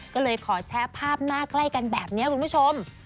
ก็เลยขอแชร์ภาพหน้าใกล้กันแบบนี้คุณผู้ชม